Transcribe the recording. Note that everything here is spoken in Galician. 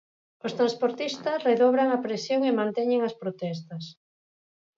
Os transportistas redobran a presión e manteñen as protestas.